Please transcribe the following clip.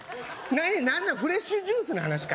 何なんフレッシュジュースの話か？